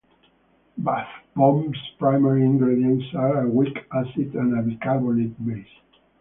Bath bombs' primary ingredients are a weak acid and a bicarbonate base.